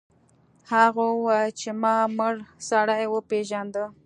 هغه وویل چې ما مړ سړی وپیژنده.